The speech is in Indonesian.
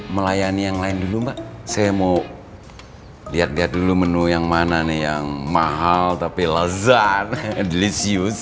melayani yang lain dulu mbak saya mau lihat lihat dulu menu yang mana nih yang mahal tapi lezat delisius